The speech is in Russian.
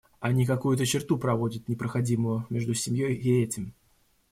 Они какую-то черту проводят непроходимую между семьей и этим.